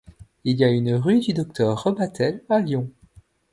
Il y a une Rue du Docteur-Rebatel à Lyon.